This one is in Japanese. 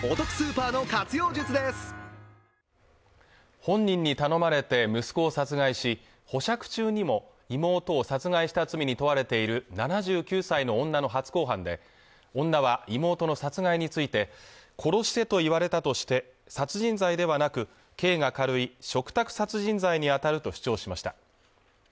本人に頼まれて息子を殺害し保釈中にも妹を殺害した罪に問われている７９歳の女の初公判で女は妹の殺害について殺してと言われたとして殺人罪ではなく刑が軽い嘱託殺人罪に当たると主張しました